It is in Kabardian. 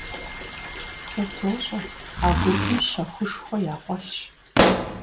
Сэ сощӀэ, а гупым щэхушхуэ якъуэлъщ.